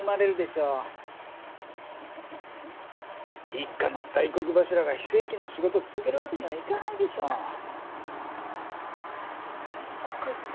一家の大黒柱が非正規の仕事続けるわけにはいかないでしょ。だ大黒柱。